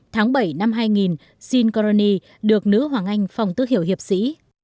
tháng bảy năm hai nghìn shin karani được nữ hoàng anh phòng tức hiểu hiệp sĩ